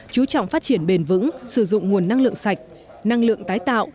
chú trọng phát triển bền vững sử dụng nguồn năng lượng sạch năng lượng tái tạo